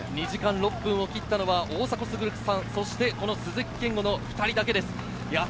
２時間６分を切ったのは大迫傑さん、そして鈴木健吾の２人だけです。